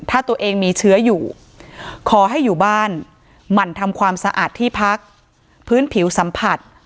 ถ้าตัวเองมีเชื้ออยู่ขอให้อยู่บ้านหมั่นทำความสะอาดที่พักพื้นผิวสัมผัส